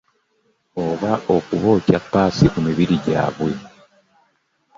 Oba okubookya ppaasi ku mibiri gyabwe